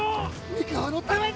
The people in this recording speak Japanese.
三河のために！